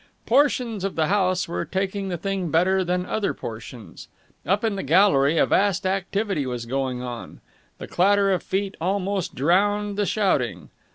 Portions of the house were taking the thing better than other portions. Up in the gallery a vast activity was going on. The clatter of feet almost drowned the shouting.